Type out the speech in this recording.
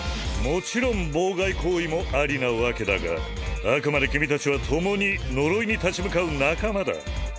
もちろん妨害行為もありなわけだがあくまで君たちは共に呪いに立ち向かう仲間だ。